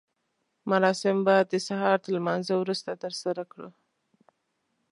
مراسم به د سهار تر لمانځه وروسته ترسره کړو.